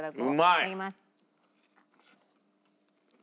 いただきます。